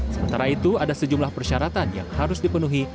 sementara itu ada sejumlah persyaratan yang harus dipenuhi